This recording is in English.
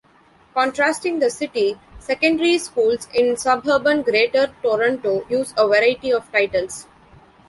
Contrasting the city, secondary schools in suburban Greater Toronto use a variety of titles.